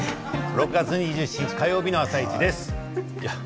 ６月２７日火曜日の「あさイチ」です。